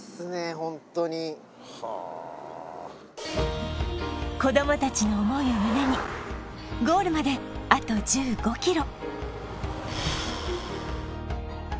ホントには子供達の思いを胸にゴールまであと１５ｋｍ